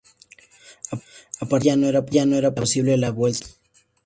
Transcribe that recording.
A partir de aquí ya no era posible la vuelta atrás.